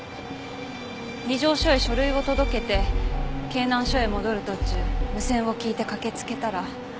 二条署へ書類を届けて京南署へ戻る途中無線を聞いて駆けつけたら。